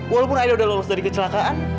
walaupun aida udah lolos dari kecelakaan